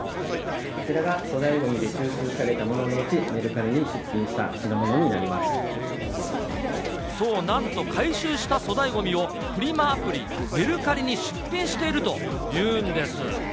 こちらが粗大ごみで収集された物のうち、メルカリに出品したそう、なんと回収した粗大ごみを、フリマアプリ、メルカリに出品しているというんです。